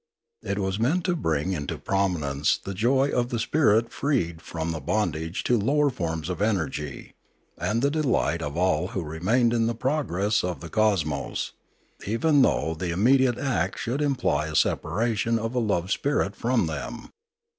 It was meant to bring into prominence the joy of the spirit freed from the bondage to lower forms of energy, and the delight of all who remained in the progress of the cosmos, even though the immediate act should imply a separation of a loved spirit from them.